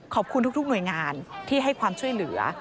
ขอบคุณทุกหน่วยงานที่ให้ความช่วยเหลือ